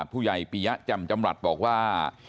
ผู้ใหญ่ปียะจำจำรัฐบอกว่า